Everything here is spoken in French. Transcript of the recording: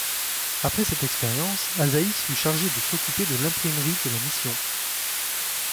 Après cette expérience, Azaïs fut chargé de s’occuper de l’imprimerie de la mission.